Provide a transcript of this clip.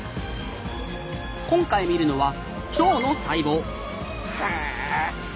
今回見るのは腸の細胞へえ！